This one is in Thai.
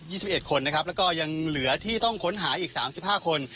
สิบเอ็ดคนนะครับแล้วก็ยังเหลือที่ต้องค้นหาอีกสามสิบห้าคน